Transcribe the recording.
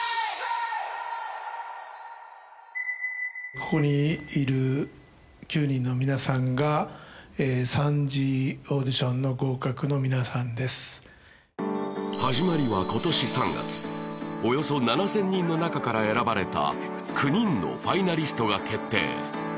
ここにいる９人の皆さんが三次オーディションの合格の皆さんです始まりは今年３月およそ７０００人の中から選ばれた９人のファイナリストが決定